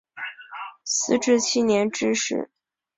弘治七年致仕。